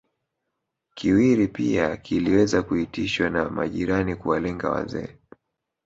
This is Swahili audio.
Kiwiri pia kiliweza kuitishwa na majirani kuwalenga wazee